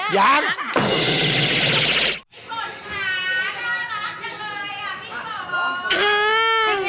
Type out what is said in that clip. ยัง